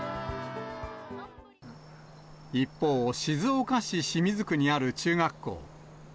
一方、静岡市清水区にある中学校。